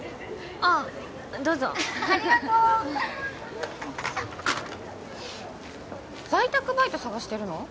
ああどうぞありがとう在宅バイト探してるの？